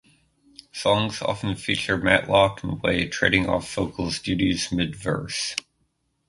Songs often feature Matlock and Way trading off vocals duties mid verse.